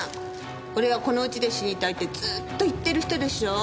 俺はこの家で死にたいってずーっと言ってる人でしょ？